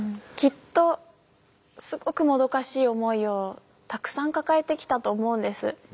きっとすごくもどかしい思いをたくさん抱えてきたと思うんです。